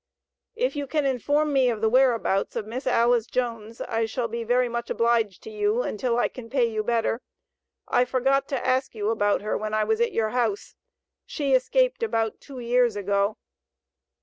If you can inform me of the whereabouts of Miss Alice Jones I shall be very much obliged to you, until I can pay you better. I forgot to ask you about her when I was at your house. She escaped about two years ago.